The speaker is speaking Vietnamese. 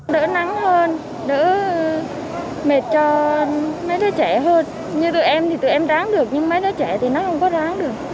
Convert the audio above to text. đỡ nắng hơn đỡ mệt cho mấy đứa trẻ hơn như tụi em thì tụi em ráng được nhưng mấy đứa trẻ thì nó không có ráng được